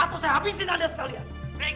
atau saya akan menghabiskan anda sekalian